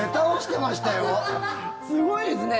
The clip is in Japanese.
すごいですね。